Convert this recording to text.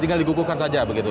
tinggal dikukukan saja begitu